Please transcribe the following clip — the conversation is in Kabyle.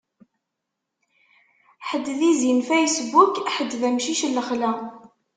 Ḥedd d izi n Facebook, ḥedd d amcic n lexla.